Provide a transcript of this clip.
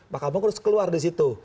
makam agung harus keluar disitu